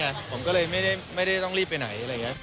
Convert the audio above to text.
ถึงผมไม่ได้ต้องรีบไปไหน